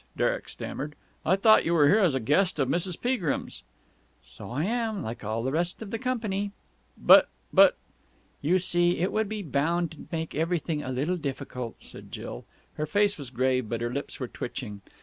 Derek stammered. "I thought you were here as a guest of Mrs. Peagrim's." "So I am like all the rest of the company." "But.... But...." "You see, it would be bound to make everything a little difficult," said Jill. Her face was grave, but her lips were twitching.